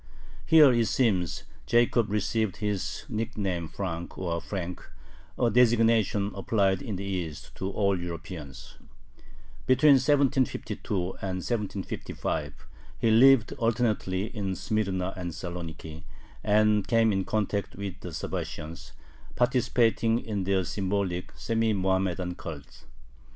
Here, it seems, Jacob received his nickname Frank, or Frenk, a designation applied in the East to all Europeans. Between 1752 and 1755 he lived alternately in Smyrna and Saloniki, and came in contact with the Sabbatians, participating in their symbolic, semi Mohammedan cult.